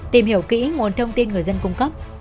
tìm hiểu kỹ nguồn thông tin người dân cung cấp